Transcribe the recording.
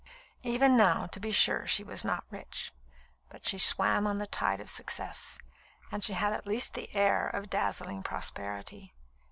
Even now, to be sure, she was not rich, but she swam on the tide of success, and she had at least the air of dazzling prosperity.